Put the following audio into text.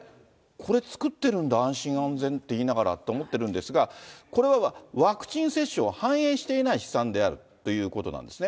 これ作ってるんだ、安心安全って言いながらと思ってるんですが、これはワクチン接種を反映していない試算であるということなんですね。